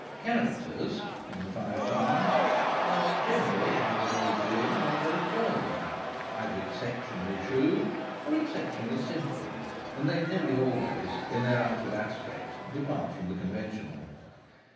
"Characters" in the Five Towns are generally either very grim or very jolly, either exceptionally shrewd or exceptionally simple; and they nearly always, in their outward aspect, depart from the conventional.